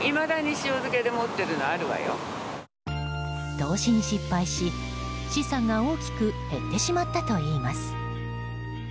投資に失敗し、資産が大きく減ってしまったといいます。